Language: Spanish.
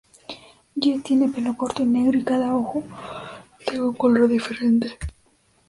Jet tiene pelo corto y negro y cada ojo de un color diferente.